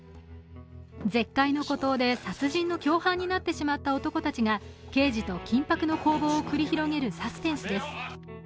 絶海の孤島で殺人の共犯になってしまった男たちが刑事と緊迫の攻防を繰り広げるサスペンスです。